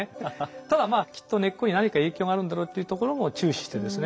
ただまあきっと根っこに何か影響があるんだろうっていうところも注視してですね